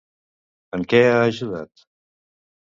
En què ha ajudat?